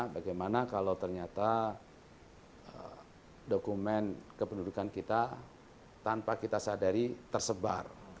bagaimana kalau ternyata dokumen kependudukan kita tanpa kita sadari tersebar